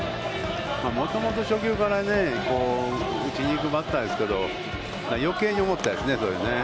もともと初球から打ちに行くバッターですけど、余計に思ったですね、それでね。